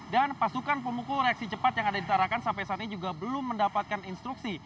dan pasukan pemukul reaksi cepat yang ada di tarakan sampai saat ini juga belum mendapatkan instruksi